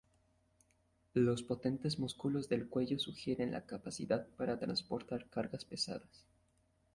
Los potentes músculos del cuello sugieren la capacidad para transportar cargas pesadas.